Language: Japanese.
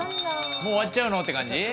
もう終わっちゃうのって感じ？